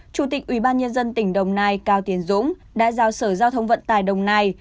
chủ tịch ubnd tỉnh đồng nai cao tiến dũng đã giao sở giao thông vận tải đồng nai